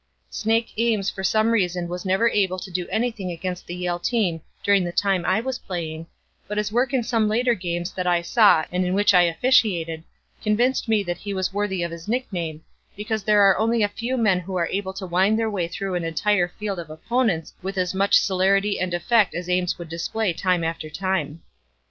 "Snake Ames for some reason was never able to do anything against the Yale team during the time I was playing, but his work in some later games that I saw and in which I officiated, convinced me that he was worthy of his nickname, because there are only a few men who are able to wind their way through an entire field of opponents with as much celerity and effect as Ames would display time after time.